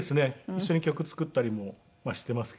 一緒に曲作ったりもしていますけど。